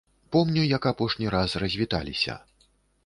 Помню, як апошні раз развіталіся.